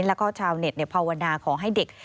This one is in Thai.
แล้วก็ชาวเน็ตภาวนาขอให้เด็ก